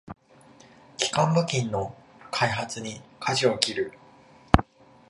基幹部品の開発にかじを切る